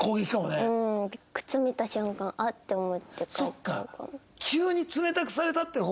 そっか！